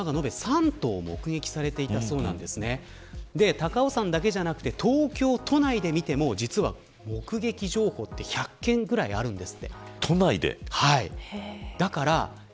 高尾山だけじゃなくて東京都内で見ても目撃情報は１００件ぐらいあります。